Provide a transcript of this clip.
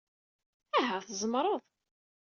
Aha! Tzemreḍ!